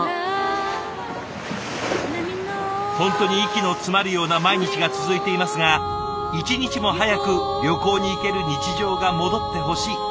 本当に息の詰まるような毎日が続いていますが一日も早く旅行に行ける日常が戻ってほしい。